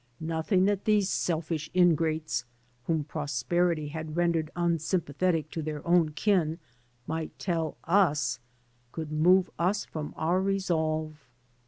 Nothing that these selfish ingrates, whom prosperity had rendered unsympathetic to their own kin, might tell us could move us from our resolve.